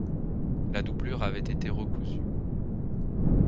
La doublure avait été recousue.